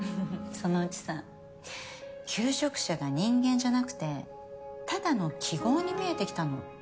そのうちさ求職者が人間じゃなくてただの記号に見えてきたの。